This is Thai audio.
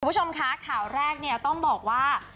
คือพวกผมค่ะข่าวแรกต้องบอกว่า